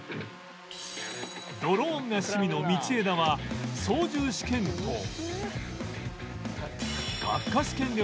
ドローンが趣味の道枝は操縦試験と学科試験で行われる